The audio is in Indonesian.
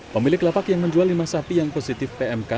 pemilik lapak yang menjual lima sapi yang positif pmk